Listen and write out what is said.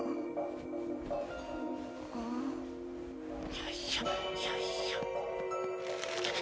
よいしょよいしょ。